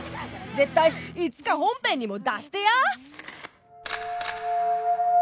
絶対いつか本編にも出してや！